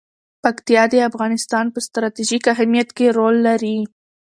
پکتیا د افغانستان په ستراتیژیک اهمیت کې رول لري.